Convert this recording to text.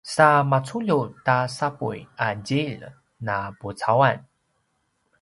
sa maculju ta sapuy a djilj na pucauan